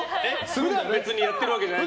普段別にやってるわけじゃないのに？